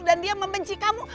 dan dia membenci kamu